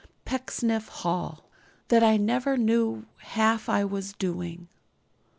Pecksniff Hall, that I never knew half I was doing.